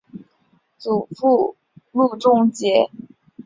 祖父路仲节。